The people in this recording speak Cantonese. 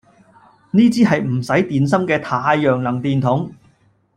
呢支係唔使電芯嘅太陽能電筒